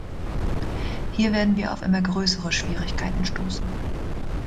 Hier werden wir auf immer größere Schwierigkeiten stoßen.